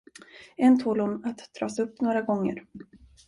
Än tål hon att dras upp några gånger.